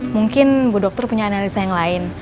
mungkin bu dokter punya analisa yang lain